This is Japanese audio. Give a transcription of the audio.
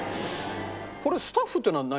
これスタッフっていうのは何？